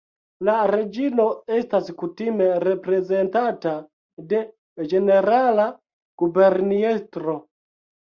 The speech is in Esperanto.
La Reĝino estas kutime reprezentata de Ĝenerala Guberniestro.